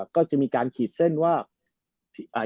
ก็จะมีการขีดเส้นว่า